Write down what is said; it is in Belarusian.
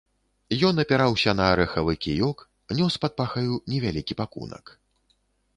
Ён апіраўся на арэхавы кіёк, нёс пад пахаю невялікі пакунак.